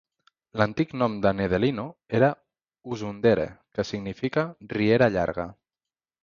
L'antic nom de Nedelino era "Uzundere" que significa "Riera llarga"...